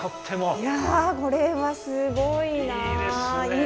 いやこれはすごいな。